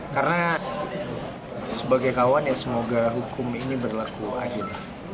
karena sebagai kawan ya semoga hukum ini berlaku adil